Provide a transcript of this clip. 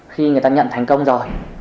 khi người ta nhận thành công rồi